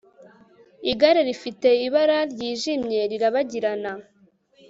igare rifite ibara ryijimye, rirabagirana